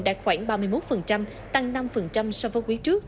đạt khoảng ba mươi một tăng năm so với quý trước